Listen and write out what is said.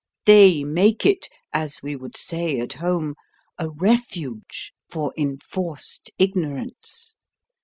They make it, as we would say at home, a refuge for enforced ignorance.